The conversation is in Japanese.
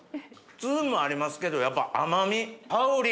ツンもありますけどやっぱ甘味香り。